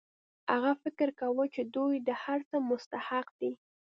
هغه فکر کاوه چې دوی د هر څه مستحق دي